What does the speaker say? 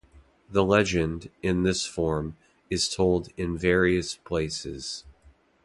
The legend, in this form, is told in various places.